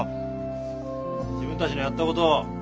自分たちのやったことを。